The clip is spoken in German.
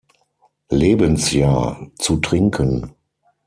Lebensjahr, zu trinken.